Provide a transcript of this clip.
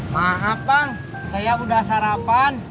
maaf bang saya udah sarapan